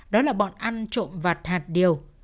đó là bọn ăn trộm vặt hạt điều